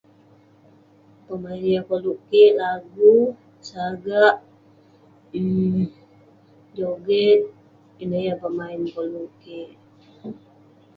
Pemain yah koluk kik, lagu, sagak, um joget. Ineh yah pemain koluk-